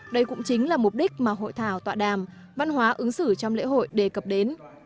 đây cũng chính là mục đích mà hội thảo tọa đàm văn hóa ứng xử trong lễ hội đề cập đến